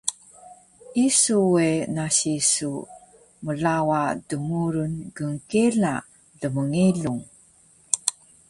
Isu we nasi su mlawa dmurun gnkela lmngelung